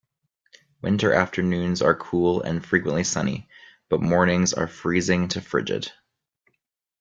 Winter afternoons are cool and frequently sunny, but mornings are freezing to frigid.